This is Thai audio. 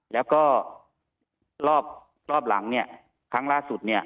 แล้วก็รอบหลังเนี่ยครั้งล่าสุดเนี่ย